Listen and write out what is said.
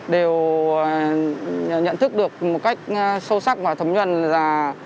đều nhận thức được một cách sâu sắc và thấm nhuần là